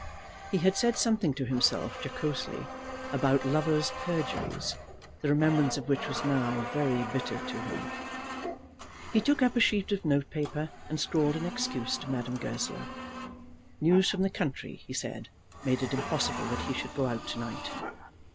He had said something to himself jocosely about lovers' perjuries, the remembrance of which was now very bitter to him. He took up a sheet of note paper and scrawled an excuse to Madame Goesler. News from the country, he said, made it impossible that he should go out to night.